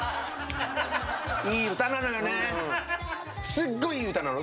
すっごいいい歌なの。